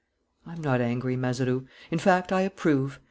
"I'm not angry, Mazeroux. In fact, I approve.